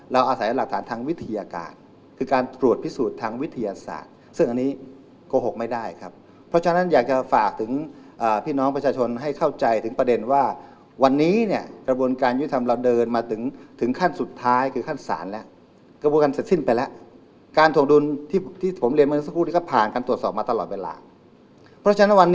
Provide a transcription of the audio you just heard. เราอาศัยหลักฐานทางวิทยาศาสตร์การตรวจพิสูจน์ทางวิทยานาศาสตร์